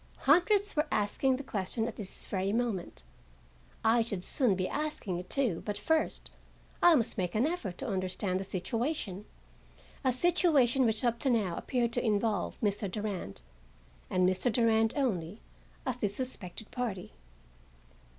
Hundreds were asking the question and at this very moment. I should soon be asking it, too, but first, I must make an effort to understand the situation,—a situation which up to now appeared to involve Mr. Durand, and Mr. Durand only, as the suspected party.